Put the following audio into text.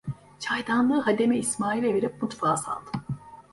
Çaydanlığı hademe İsmail'e verip mutfağa saldım.